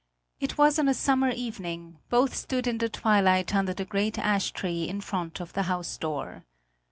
It was on a summer evening; both stood in the twilight under the great ash tree in front of the house door.